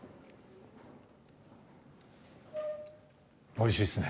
おいしいですね。